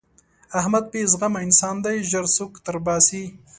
احمد بې زغمه انسان دی؛ ژر سوک تر باسي.